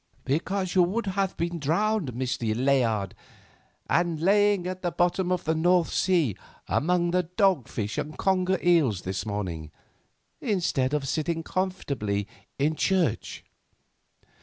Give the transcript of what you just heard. "Because you would have been drowned, Mr. Layard, and lying at the bottom of the North Sea among the dogfish and conger eels this morning instead of sitting comfortably in church."